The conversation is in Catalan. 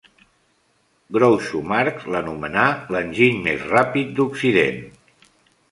Groucho Marx l'anomenà L'enginy més ràpid d'Occident.